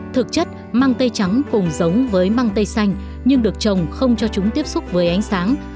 thực chất mang tây trắng cùng giống với mang tây xanh nhưng được trồng không cho chúng tiếp xúc với ánh sáng